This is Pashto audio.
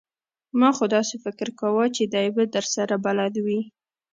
ما خو داسې فکر کاوه چې دی به درسره بلد وي!